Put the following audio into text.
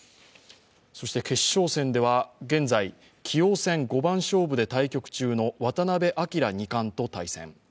そして決勝戦では現在、棋王戦五番勝負で対局中の渡辺明二冠と対戦。